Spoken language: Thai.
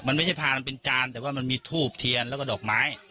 มันไม่ใช่พามันเป็นจานแต่ว่ามันมีทูบเทียนแล้วก็ดอกไม้